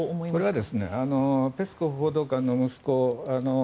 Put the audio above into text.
これはペスコフ報道官の息子